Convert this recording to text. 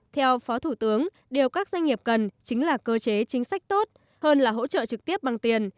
theo phó thủ tướng điều các doanh nghiệp cần chính là cơ chế chính sách tốt hơn là hỗ trợ trực tiếp bằng tiền